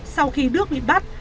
sau khi đức bị bắt